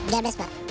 gak ada mbak